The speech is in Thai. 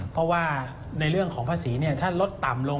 เพราะว่าในเรื่องของภาษีถ้าลดต่ำลง